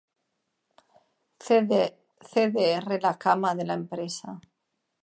Cdr la cama de la empresa.